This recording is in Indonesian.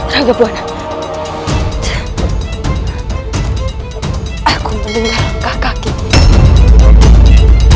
raka amuk marugul